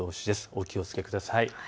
お気をつけください。